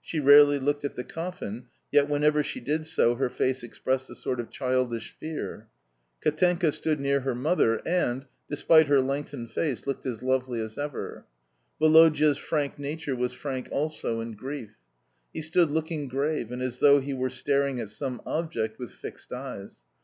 She rarely looked at the coffin, yet whenever she did so her face expressed a sort of childish fear. Katenka stood near her mother, and, despite her lengthened face, looked as lovely as ever. Woloda's frank nature was frank also in grief. He stood looking grave and as though he were staring at some object with fixed eyes.